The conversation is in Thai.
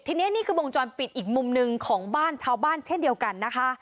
ทีนี้นี่คือวงจรปิดอีกมุมหนึ่งของบ้านชาวบ้านเช่นเดียวกันนะคะ